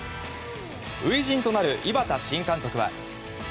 初陣となる井端新監督は。